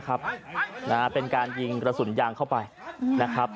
ครับนะครับเป็นการยิงกระสุนยางเข้าไปนะครับ